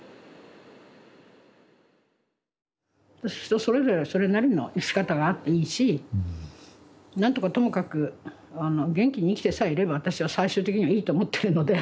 人それぞれそれなりの生き方があっていいし何とかともかくあの元気に生きてさえいれば私は最終的にはいいと思ってるので。